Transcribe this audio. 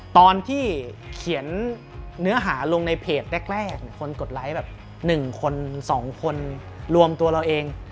ตอนที่เขียนเนื้อหาลงในเพจแรกคนกดไลค์แบบ๑คน๒คนรวมตัวเราเอง